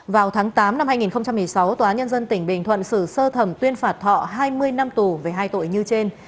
vào tháng tám năm hai nghìn một mươi sáu tòa nhân dân tỉnh bình thuận xử sơ thẩm tuyên phạt thọ hai mươi năm tù về hai tội như trên